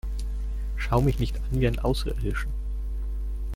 Schau mich nicht an wie einen Außerirdischen!